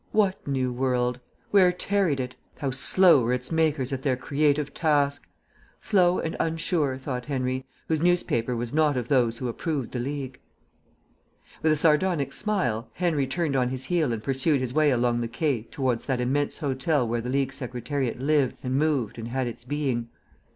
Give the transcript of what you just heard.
What new world? Where tarried it? How slow were its makers at their creative task! Slow and unsure, thought Henry, whose newspaper was not of those who approved the League. With a sardonic smile Henry turned on his heel and pursued his way along the Quai towards that immense hotel where the League Secretariat lived and moved and had its being.